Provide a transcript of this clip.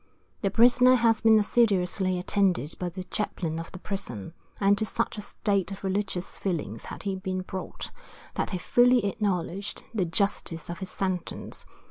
The prisoner has been assiduously attended by the chaplain of the prison, and to such a state of religious feeling had he been brought, that he fully acknowledged the justice of his sentence.